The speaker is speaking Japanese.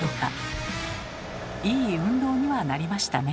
いい運動にはなりましたね。